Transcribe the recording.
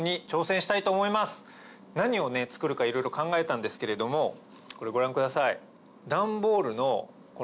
何を作るかいろいろ考えたんですけれどもこれをご覧ください。